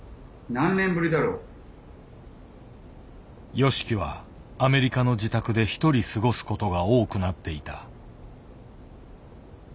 ＹＯＳＨＩＫＩはアメリカの自宅でひとり過ごすことが多くなっていた。